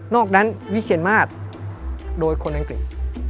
อกนั้นวิเชียนมาสโดยคนอังกฤษ